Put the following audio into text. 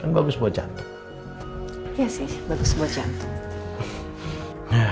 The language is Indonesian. iya sih bagus buat jantung